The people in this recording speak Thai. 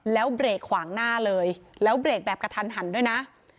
แล้วเบรกขวางหน้าเลยแล้วเบรกแบบกระทันหันด้วยนะ